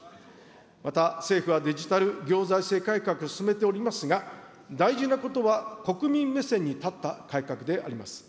また、政府はデジタル行財政改革を進めておりますが、大事なことは、国民目線に立った改革であります。